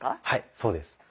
はいそうです。